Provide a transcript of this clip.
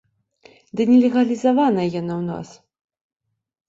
Ды не легалізаваная яна ў нас!